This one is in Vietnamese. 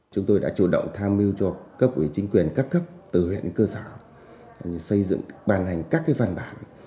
chúng tôi đã chủ động tham mưu cho cấp ủy chính quyền các cấp từ huyện đến cơ sở xây dựng bàn hành các văn bản